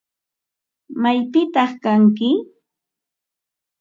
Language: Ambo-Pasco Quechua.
¿Maypitataq kanki?